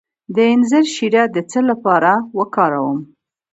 د انځر شیره د څه لپاره وکاروم؟